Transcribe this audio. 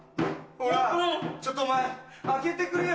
ちょっとお前開けてくれよ。